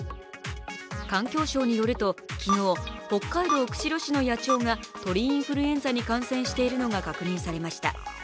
環境省によると、昨日、北海道釧路市の野鳥が鳥インフルエンザに感染しているのが確認されました。